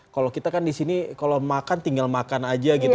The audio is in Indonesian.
kalau kita kan di sini kalau makan tinggal makan aja gitu